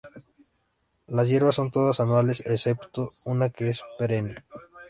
Las hierbas son todas anuales, excepto una que es perenne.